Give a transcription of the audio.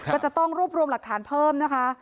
ก็จะต้องรวบรวมหลักฐานเพิ่มนะคะ